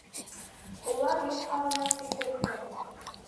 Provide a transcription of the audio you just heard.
Улар юҡҡа ғына килтерелмәне.